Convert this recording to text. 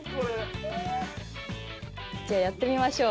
じゃあやってみましょう。